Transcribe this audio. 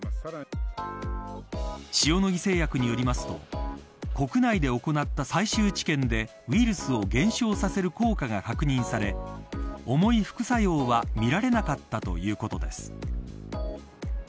塩野義製薬によりますと国内で行った最終治験でウイルスを減少させる効果が確認され重い副作用は見られなかったということです。